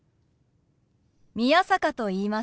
宮坂と言います。